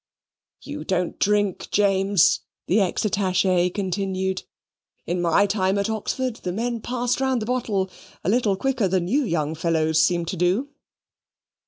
"You don't drink, James," the ex attache continued. "In my time at Oxford, the men passed round the bottle a little quicker than you young fellows seem to do."